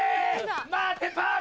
待てパー子！